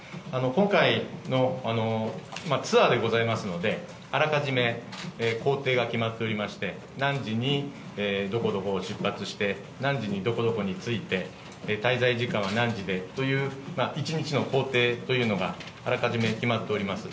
今回のツアーでございますので、あらかじめ行程が決まっておりまして、何時にどこどこを出発して、何時にどこどこに着いて、滞在時間は何時でという１日の行程というのがあらかじめ決まっております。